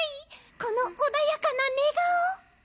この穏やかな寝顔。